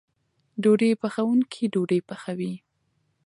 ډوډۍ پخوونکی ډوډۍ پخوي.